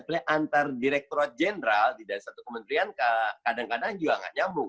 sebenarnya antar direkturat jenderal di dalam satu kementerian kadang kadang juga nggak nyambung